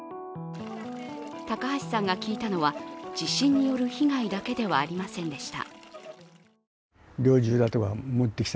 高橋さんが聞いたのは地震による被害だけではありませんでした。